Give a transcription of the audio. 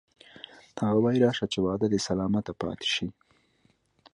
هغه وایی راشه چې وعده دې سلامته پاتې شي